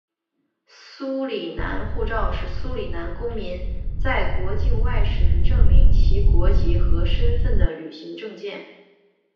苏里南护照是苏里南公民在国境外时证明其国籍和身份的旅行证件。